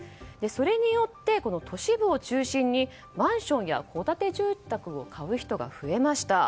それによって、都市部を中心にマンションや戸建て住宅を買う人が増えました。